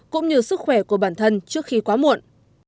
cũng như sức khỏe của bản thân trước khi quá muộn